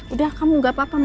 udah kamu enggak apa apa mama